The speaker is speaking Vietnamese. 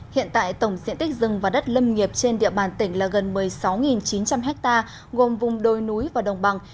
hiện tại tổng diện tích rừng và đất lâm nghiệp trên địa bàn tỉnh là gần một mươi sáu chín trăm linh ha gồm vùng đồi núi và đồng bằng